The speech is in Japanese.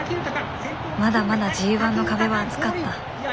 まだまだＧⅠの壁は厚かった。